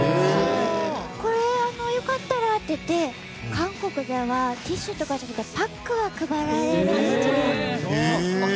これ良かったらっていって韓国ではティッシュとかじゃなくてパックが配られるんです。